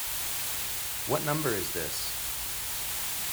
What number is this?